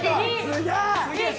すげえ！